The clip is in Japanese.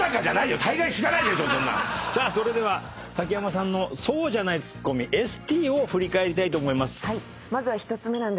それでは竹山さんのそうじゃないツッコミＳＴを振り返りたいと思います。